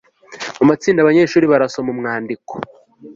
mu matsinda abanyeshuri barasoma umwandiko